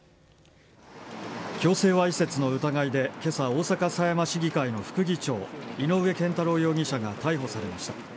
強制わいせつの疑いで今朝、大阪狭山市議会の副議長井上健太郎容疑者が逮捕されました。